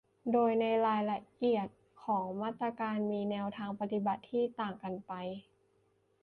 โดยในรายละเอียดของมาตรการมีแนวทางปฏิบัติที่ต่างกันไป